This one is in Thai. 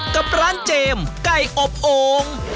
กับร้านเจมส์ไก่อบโอ่ง